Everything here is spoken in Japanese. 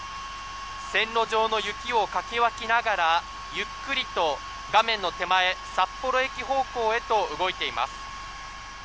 線路上の雪をかき分けながらゆっくりと、画面の手前札幌駅方向へと動いています。